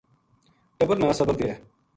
ٹبر نا صبر دیئے